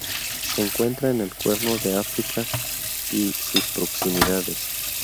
Se encuentra en el Cuerno de África y sus proximidades.